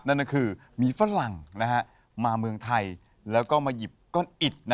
นั่นก็คือมีฝรั่งมาเมืองไทยแล้วก็มาหยิบก้อนอิด